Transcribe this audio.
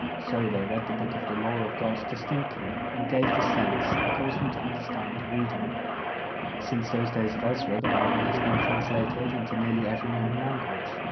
'So they read in the Book of the Law of God distinctly, and gave the sense, and caused them to understand the reading.' (Nehemiah viii. 8.) Since those days of Ezra, the Bible has been translated into nearly every known language.